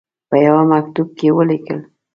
په یوه مکتوب کې ولیکل.